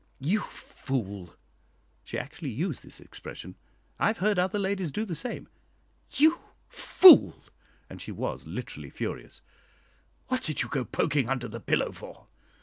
"You fool" she actually used this expression; I have heard other ladies do the same "you fool," and she was literally furious, "what did you go poking under the pillow for?